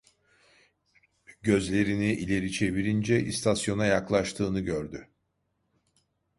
Gözlerini ileri çevirince istasyona yaklaştığını gördü.